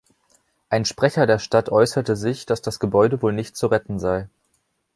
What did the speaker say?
Ein Sprecher der Stadt äußerte sich, dass das Gebäude wohl nicht zu retten sei.